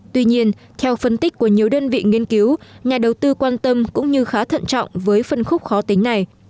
tuy nhiên theo phân tích của nhiều đơn vị nghiên cứu nhà đầu tư quan tâm cũng như khá thận trọng với phân khúc khó tính này